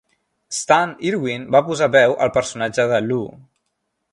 Stan Irwin va posar veu al personatge de Lou.